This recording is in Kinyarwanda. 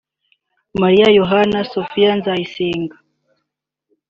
Mariya Yohana Sofiya Nzayisenga